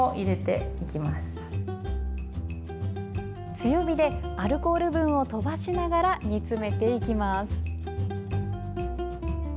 強火で、アルコール分を飛ばしながら煮詰めていきます。